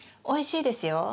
おいしいですよ。